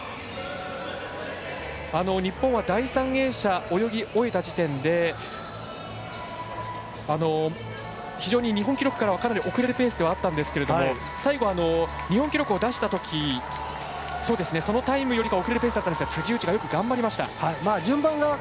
日本は第３泳者泳ぎ終えた時点で非常に日本記録からはかなり遅れるペースではあったんですけど最後、日本記録を出したときそのタイムよりは遅れるペースだったんですが辻内がよく頑張りました。